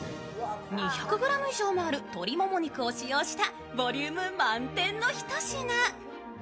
以上もある鶏もも肉を使用したボリューム満点のひと品。